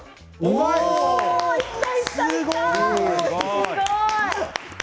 すごい！